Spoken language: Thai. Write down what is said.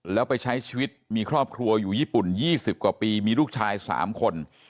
แล้วไปใช้ชีวิตมีครอบครัวอยู่ญี่ปุ่น๒๐กว่าปีมีลูกชาย๓คน